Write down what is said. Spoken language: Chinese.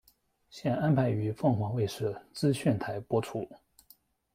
现安排于凤凰卫视资讯台播出。